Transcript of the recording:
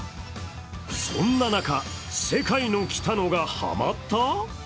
そんな中、世界のキタノがハマッた？